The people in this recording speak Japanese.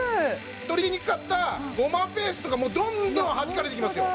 取りにくかったごまペーストがもうどんどんはじかれていきますよ